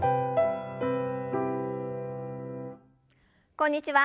こんにちは。